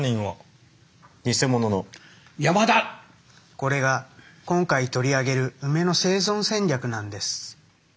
これが今回取り上げるウメの生存戦略なんです。